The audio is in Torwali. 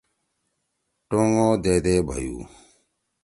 ٹُنگُودیدے بھیُو